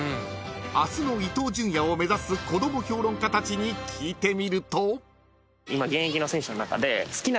［明日の伊東純也を目指す子ども評論家たちに聞いてみると］